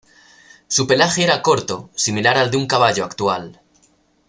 Su pelaje era corto, similar al de un caballo actual.